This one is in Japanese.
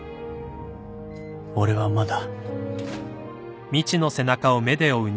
俺はまだ